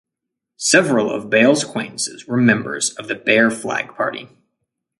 Several of Bale's acquaintances were members of the Bear Flag Party.